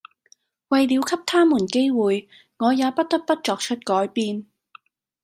為了給他們機會、我也不得不作出改變！